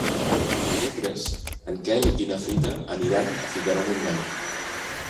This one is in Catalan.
Dimecres en Quel i na Frida aniran a Figaró-Montmany.